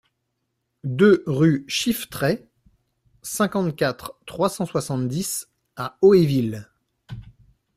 deux rue Chiffetraie, cinquante-quatre, trois cent soixante-dix à Hoéville